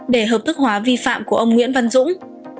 để hợp thức hóa vi phạm của ông nguyễn văn dũng